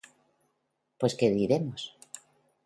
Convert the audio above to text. ¿Pues qué diremos?